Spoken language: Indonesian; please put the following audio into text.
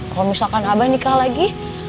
kalau misalkan abah nikah lagi